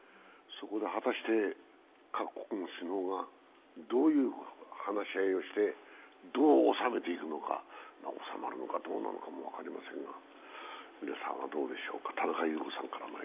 果たして、各国の首脳がどういう話し合いをして、どう収めていくのか、収まるのかどうなのかも分かりませんが皆さんはどうでしょうか。